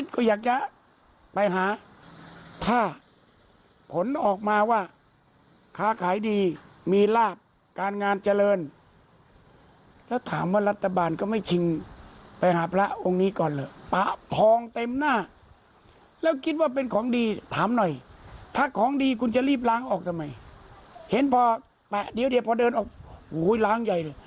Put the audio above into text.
ก็แปะเดี๋ยวพอเดินออกโอ๊ยล้างใหญ่เลย